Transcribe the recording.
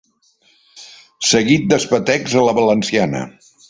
Seguit d'espetecs a la valenciana.